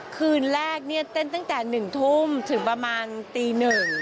คืนแรกเนี่ยเต้นตั้งแต่๑ทุ่มถึงประมาณตีหนึ่ง